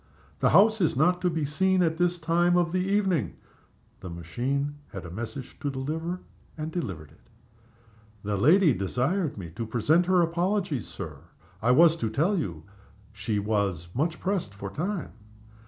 "The house is not to be seen at this time of the evening." The machine had a message to deliver, and delivered it. "The lady desired me to present her apologies, Sir. I was to tell you she was much pressed for time.